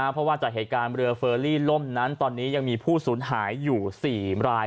เพราะว่าจากเหตุการณ์เรือเฟอรี่ล่มนั้นตอนนี้ยังมีผู้สูญหายอยู่๔ราย